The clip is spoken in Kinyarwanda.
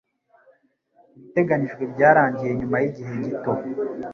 Ibiteganijwe byarangiye nyuma yigihe gito.